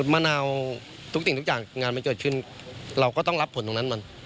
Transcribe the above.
มะนาวทุกสิ่งทุกอย่างงานมันเกิดขึ้นเราก็ต้องรับผลตรงนั้นมัน